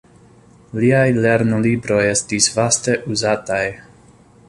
Liaj lernolibroj estis vaste uzataj.